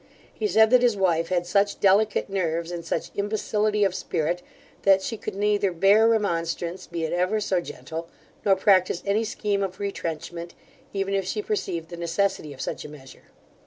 He said that his wife had such delicate nerves, and such imbecility of spirit, that she could neither bear remonstrance, be it ever so gentle, nor practise any scheme of retrenchment, even if she perceived the necessity of such a measure.